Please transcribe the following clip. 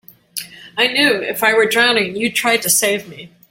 I knew if I were drowning you'd try to save me.